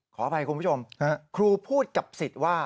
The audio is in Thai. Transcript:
ขออภัยคุณผู้ชมครูพูดกับสิทธิ์ว่า